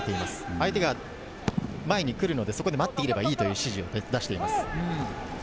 相手が前に来るので、そこで待っていればいいという指示です。